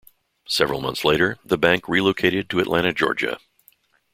Several months later, the bank relocated to Atlanta, Georgia.